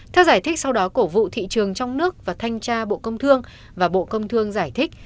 theo giải thích sau đó cổ vụ thị trường trong nước và thanh tra bộ công thương và bộ công thương giải thích